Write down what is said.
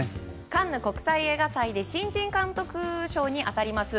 カンヌ国際映画祭で新人監督賞に当たります